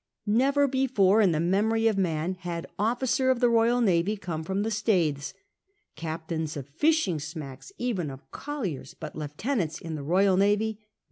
Never before, in the memory of man, had officer of the Royal Navy come from the Staithes. Captains of fish ing smacks — even of collici'S — but Lieutenants in the Royal Nayy ?